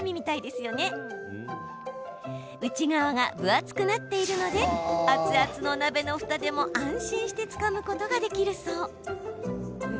内側が分厚くなっているので熱々の鍋のふたでも安心してつかむことができるそう。